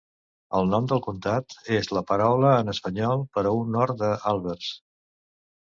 El nom del comtat és la paraula en espanyol per a un hort de àlbers.